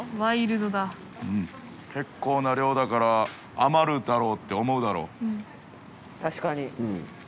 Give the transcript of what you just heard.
結構な量だから余るだろうって思うだろう。